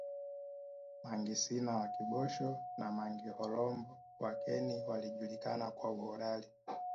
Mangi Sina wa Kibosho na Mangi Horombo wa Keni waliojulikana kwa uhodari